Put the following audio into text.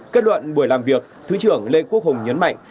kết luận buổi làm việc thứ trưởng lê quốc hùng nhấn mạnh